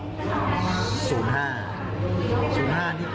พอดีทางล่างออก๐๕